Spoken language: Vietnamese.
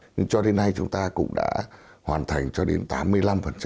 nhưng cho đến nay chúng ta cũng đã hoàn thành cho đến tám mươi năm